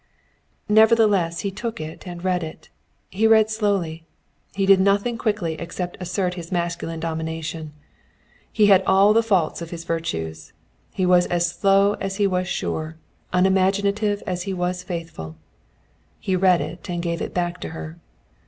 Nevertheless he took it and read it. He read slowly. He did nothing quickly except assert his masculine domination. He had all the faults of his virtues; he was as slow as he was sure, as unimaginative as he was faithful. He read it and gave it back to her.